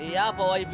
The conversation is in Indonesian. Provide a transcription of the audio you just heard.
ini apaan sih